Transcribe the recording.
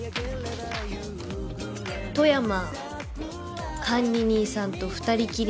富山管理人さんと２人きりなんだけど。